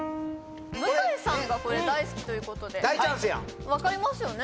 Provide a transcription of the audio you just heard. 向井さんがこれ大好きということで大チャンスやんわかりますよね？